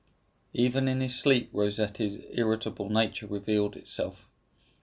Even in his sleep Rosette's irritable nature revealed itself.